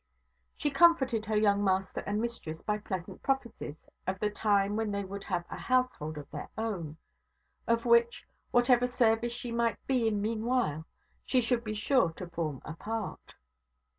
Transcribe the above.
She comforted her young master and mistress by pleasant prophecies of the time when they would have a household of their own; of which, whatever service she might be in meanwhile, she should be sure to form a part.